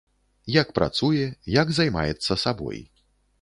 Як працуе, як займаецца сабой.